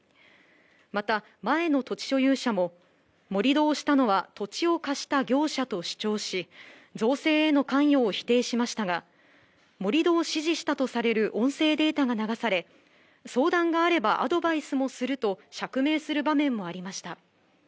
また、前の土地所有者も、盛り土をしたのは土地を貸した業者と主張し、造成への関与を否定しましたが、盛り土を指示したとされる音声データが流され、相談があればアドバイスもすると、釈明する場面もありました。